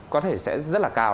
có thể sẽ rất là cao